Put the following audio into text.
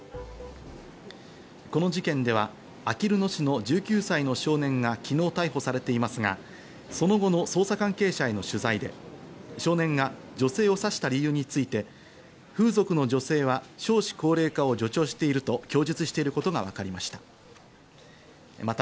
この事件では、あきる野市の１９歳の少年が昨日逮捕されていますが、その後の捜査関係者への取材で少年が女性を刺した理由について、風俗の女性は少子高齢化を助長していると供述していることがわかりました。